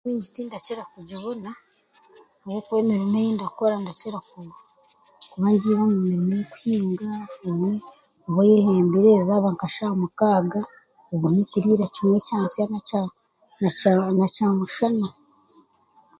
fiizi tindakira kugibona, ahabwokuba emirimo ei ndakore ndakira kuba ngiire omu kirimo, kuhinga, kuba oyehembire zaaba nka shaaha mukaaga, obone kuriira kimwe kyansya na kyamushana.